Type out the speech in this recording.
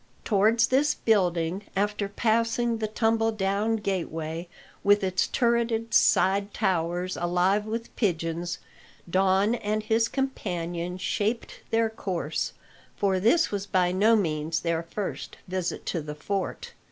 Towards this building, after passing the tumble down gateway, with its turreted side towers alive with pigeons, Don and his companion shaped their course; for this was by no means their first visit to the fort.